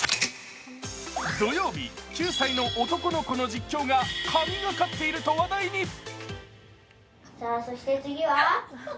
土曜日、９歳の男の子の実況が神がかっていると話題に。